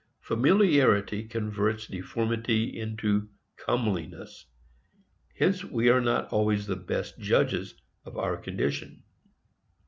Familiarity converts deformity into comeliness. Hence we are not always the best judges of our condition.